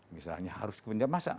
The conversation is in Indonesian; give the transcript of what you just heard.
misalnya harus kepenjaman